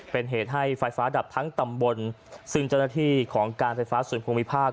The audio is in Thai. เป็นเหตุให้ไฟฟ้าดับทั้งตำบลซึ่งเจ้าหน้าที่ของการไฟฟ้าส่วนภูมิภาค